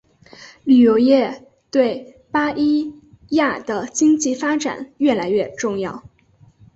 旅游业对巴伊亚的经济发展越来越重要。